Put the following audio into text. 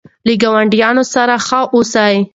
له ګاونډیانو سره ښه اوسئ.